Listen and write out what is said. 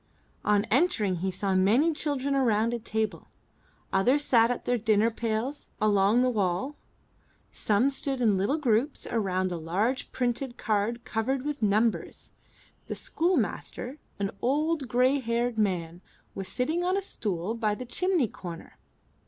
On entering, he saw many children around a table; others sat on their dinner pails along the wall, some stood in little groups around a large printed card covered with numbers; the school master, an old gray haired man, was sitting on a stool by the chimney corner.